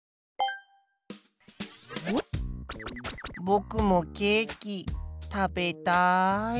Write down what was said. ぼくもケーキ食べたい。